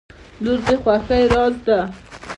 • لور د خوښۍ راز دی.